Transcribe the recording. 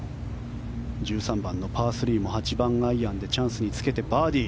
１３番のパー３も８番アイアンでチャンスにつけてバーディー。